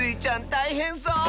たいへんそう！